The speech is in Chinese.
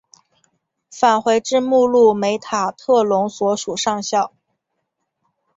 返回至目录梅塔特隆所属上校。